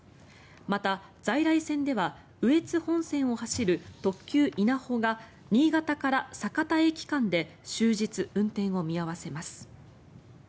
また在来線では羽越本線を走る特急いなほが新潟から酒田駅間で終日、運転を見合わせます。